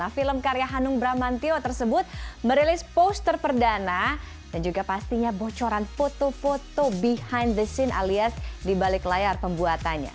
film karya hanung bramantio tersebut merilis poster perdana dan juga pastinya bocoran foto foto behind the scene alias di balik layar pembuatannya